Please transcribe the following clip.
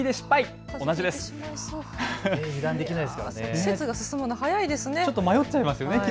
季節が進むの、早いですね。